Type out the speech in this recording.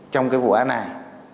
trong cái vụ án này